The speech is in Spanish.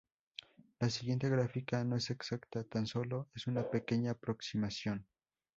La siguiente gráfica no es exacta, tan solo es una pequeña aproximación.